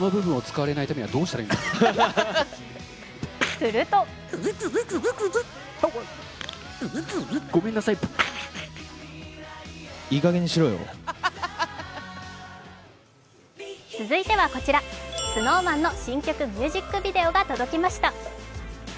すると続いてはこちら、ＳｎｏｗＭａｎの新曲ミュージックビデオが届きました。